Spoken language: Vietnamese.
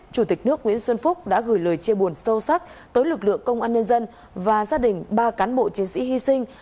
chủ tịch nước nguyễn xuân phúc đã gửi lời chia buồn sâu sắc tới lực lượng công an nhân dân và gia đình ba cán bộ chiến sĩ hy sinh